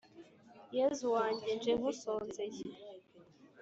yezu wanjye nje ngusonzeye